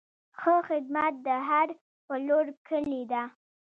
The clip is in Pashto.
ښه خدمت د هر پلور کلي ده.